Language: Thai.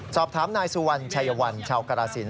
สอบถามนายสุวรรณชัยวัลชาวกรสิน